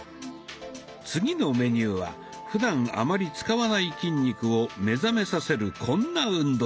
次のメニューはふだんあまり使わない筋肉を目覚めさせるこんな運動。